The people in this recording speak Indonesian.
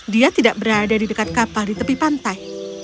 dia tidak berada di dekat kapal di tepi pantai